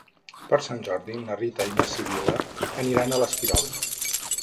Per Sant Jordi na Rita i na Sibil·la aniran a l'Esquirol.